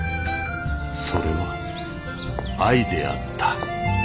それは愛であった。